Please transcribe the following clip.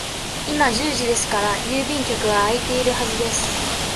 今十時ですから、郵便局は開いているはずです。